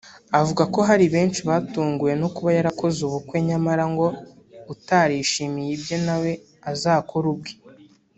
avuga ko hari benshi batunguwe no kuba yarakoze ubukwe nyamara ngo utarishimiye ibye nawe azakore ubwe